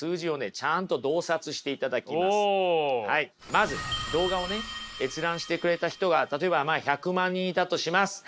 まず動画をね閲覧してくれた人が例えばまあ１００万人いたとします。